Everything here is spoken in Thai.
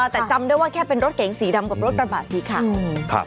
แต่จำได้ว่าแค่เป็นรถเก๋งสีดำกับรถกระบะสีขาว